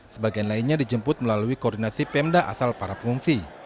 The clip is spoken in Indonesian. sebagian lainnya dijemput melalui koordinasi pemda asal para pengungsi